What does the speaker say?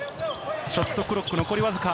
ショットクロック残りわずか。